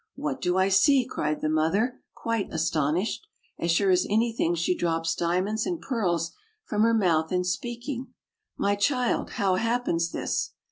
"What do I see!" cried the mother, quite astonished; "as sure as any thing she drops diamonds and pearls from her mouth in speaking! My child, how happens this?"